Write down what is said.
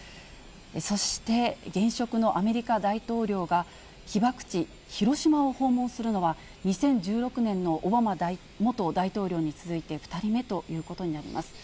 そして、現職のアメリカ大統領が、被爆地、広島を訪問するのは、２０１６年のオバマ元大統領に続いて２人目ということになります。